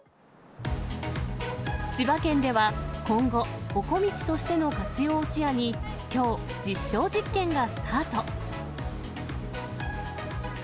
千葉県では今後、ほこみちとしての活用を視野に、きょう、実証実験がスタート。